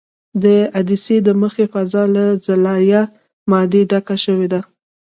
د عدسیې د مخې فضا له زلالیه مادې ډکه شوې ده.